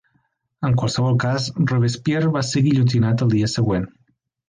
En qualsevol cas, Robespierre va ser guillotinat al dia següent.